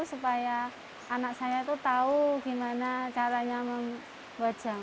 supaya anak saya tahu gimana caranya membuat jamu